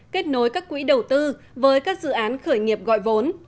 kết nối các quỹ đầu tư với các dự án khởi nghiệp gọi vốn